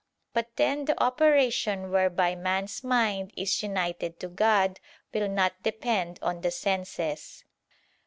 But then the operation whereby man's mind is united to God will not depend on the senses.